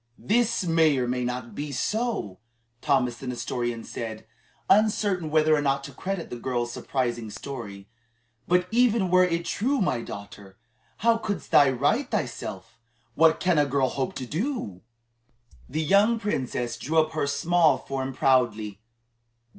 "This may or may not be so," Thomas the Nestorian said, uncertain whether or not to credit the girl's surprising story; "but even were it true, my daughter, how couldst thou right thyself? What can a girl hope to do?" The young princess drew up her small form proudly.